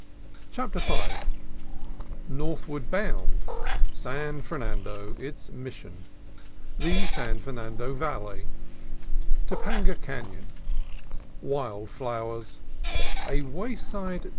CHAPTER V Northward bound — San Fernando: its Mission — The San Fer nando Valley — Topanga Canon — Wild flowers — A wayside.